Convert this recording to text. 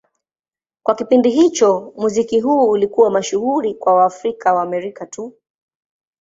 Kwa kipindi hicho, muziki huu ulikuwa mashuhuri kwa Waafrika-Waamerika tu.